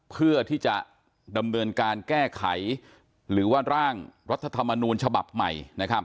เพื่อที่จะดำเนินการแก้ไขหรือว่าร่างรัฐธรรมนูญฉบับใหม่